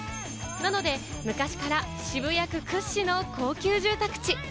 なので、昔から渋谷区屈指の高級住宅地。